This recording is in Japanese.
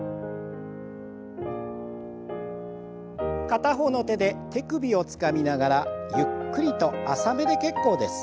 片方の手で手首をつかみながらゆっくりと浅めで結構です。